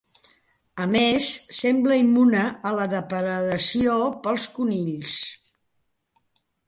A més sembla immune a la depredació pels conills.